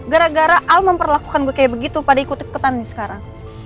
gara gara al memperlakukan gue kayak begitu pada ikut ikutan nih sekarang